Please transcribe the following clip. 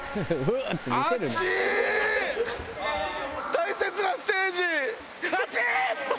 大切なステージ熱い！